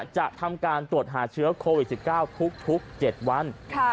จะทำการตรวจหาเชื้อโควิด๑๙ทุก๗วัน